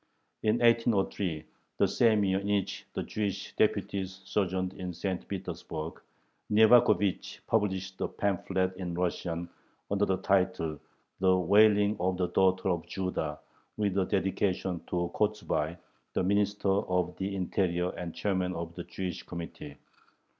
In 1803, the same year in which the Jewish deputies sojourned in St. Petersburg, Nyevakhovich published a pamphlet in Russian, under the title, "The Wailing of the Daughter of Judah," with a dedication to Kochubay, the Minister of the Interior and Chairman of the "Jewish Committee."